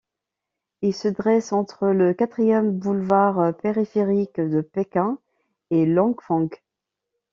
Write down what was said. Il se dresse entre le quatrième boulevard périphérique de Pékin et Langfang.